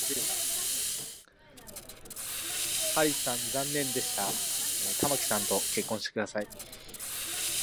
A branch into Forestdale to give an overlap service from Sutton was also included.